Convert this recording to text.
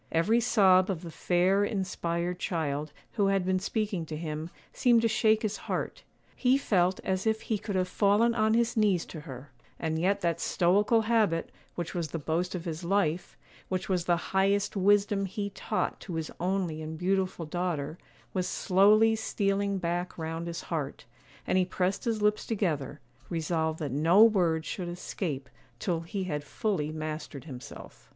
Every sob of the fair, inspired child who had been speaking to him seemed to shake his heart; he felt as if he could have fallen on his knees to her; and yet that stoical habit, which was the boast of his life, which was the highest wisdom he taught to his only and beautiful daughter, was slowly stealing back round his heart, and he pressed his lips together, resolved that no word should escape till he had fully mastered himself.